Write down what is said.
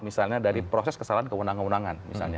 misalnya dari proses kesalahan keundangan undangan